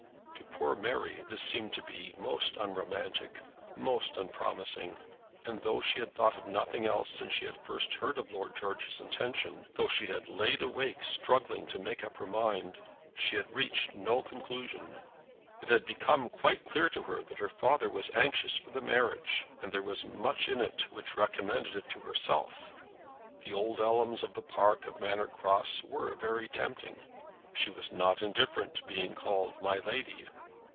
To poor Mary this seemed to be most unromantic, most unpromising. And though she had thought of nothing else since she had first heard of Lord George's intention, though she had laid awake struggling to make up her mind, she had reached no conclusion. It had become quite clear to her that her father was anxious for the marriage, and there was much in it which recommended it to herself. The old elms of the park of Manor Cross were very tempting. She was not indifferent to being called My Lady.